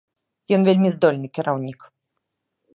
Ён вельмі здольны кіраўнік.